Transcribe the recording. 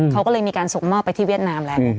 เขาก็เลยมีการส่งมอบไปที่เวียดนามแล้ว